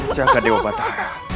jaga dewa batara